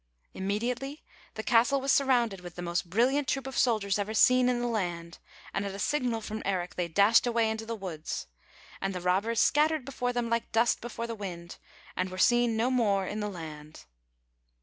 Immediately the castle was surrounded with the most brilliant troop of soldiers ever seen in the land, and at a signal from Eric, they dashed away into the woods. And the robbers scattered before them like dust be fore the wind, and were seen no more in the land.